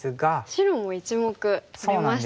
白も１目取れましたね。